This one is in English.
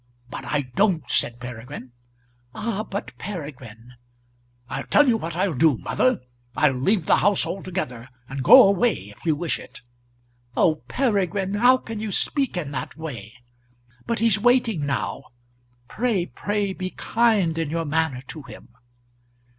"But I don't," said Peregrine. "Ah, but, Peregrine " "I'll tell you what I'll do, mother. I'll leave the house altogether and go away, if you wish it." "Oh, Peregrine! How can you speak in that way? But he's waiting now. Pray, pray, be kind in your manner to him."